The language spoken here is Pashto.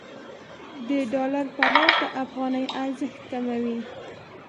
د ډالر فرار د افغانۍ ارزښت کموي.